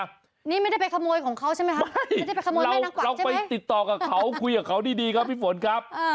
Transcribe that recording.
นี่ไม่ได้ไปขโมยของเขาใช่ไหมคะไม่ได้ไปขโมยเราไปติดต่อกับเขาคุยกับเขาดีครับพี่ฝนครับ